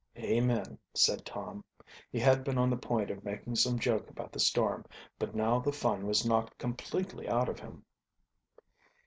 "Amen," said Tom. He had been on the point of making some joke about the storm, but now the fun was knocked completely out of him.